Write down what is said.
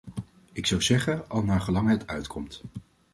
Ik zou zeggen al naargelang het uitkomt.